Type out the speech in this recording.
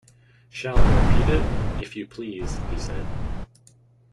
'Shall I repeat it?’ ‘If you please,’ he said.